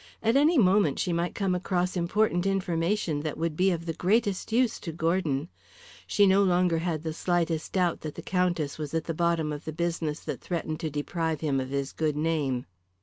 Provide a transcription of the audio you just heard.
At any moment she might come across important information that would be of the greatest use to Gordon. She no longer had the slightest doubt that the Countess was at the bottom of the business that threatened to deprive him of his good name.